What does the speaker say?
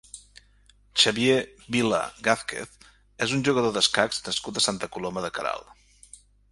Xavier Vila Gázquez és un jugador d'escacs nascut a Santa Coloma de Queralt.